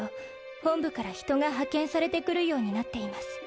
本部から人が派遣されてくるようになっています